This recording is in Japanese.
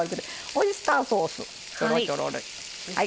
オイスターソースちょろちょろ。